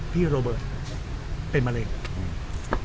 พี่เป็นมะเร็งอืมนะครับตอนแรกที่ต้องสินใจปิดบังที่